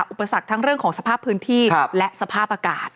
อุปสรรคทั้งเรื่องของสภาพพื้นที่และสภาพอากาศ